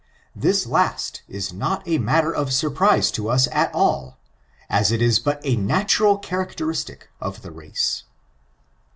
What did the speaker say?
This last is not a matter of surprise to us at all, as it is but a natural characteristic of the race.